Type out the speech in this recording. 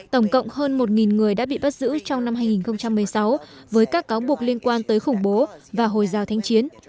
tổng cộng hơn một người đã bị bắt giữ trong năm hai nghìn một mươi sáu với các cáo buộc liên quan tới khủng bố và hồi giáo thanh chiến